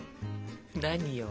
何よ？